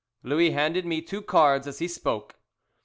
Louis handed me two cards as he spoke.